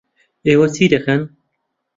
ئێوە چی دەکەن؟